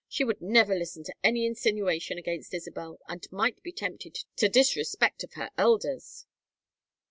She would never listen to any insinuation against Isabel, and might be tempted to disrespect of her elders."